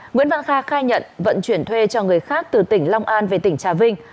nguyễn văn kha khai nhận vận chuyển thuê cho người khác từ tỉnh long an về tỉnh trà vinh